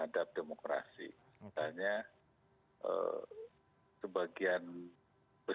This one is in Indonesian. dari sisi itu